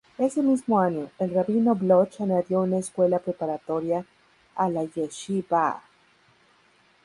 Ese mismo año, el Rabino Bloch añadió una escuela preparatoria a la yeshivá.